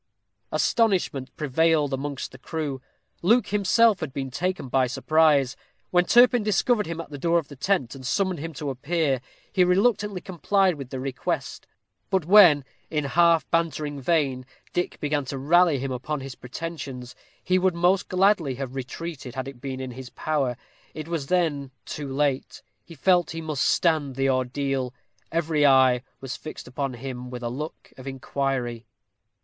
Astonishment prevailed amongst the crew. Luke himself had been taken by surprise. When Turpin discovered him at the door of the tent, and summoned him to appear, he reluctantly complied with the request; but when, in a half bantering vein, Dick began to rally him upon his pretensions, he would most gladly have retreated, had it been in his power. It was then too late. He felt he must stand the ordeal. Every eye was fixed upon him with a look of inquiry.